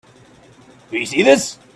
Do you see this?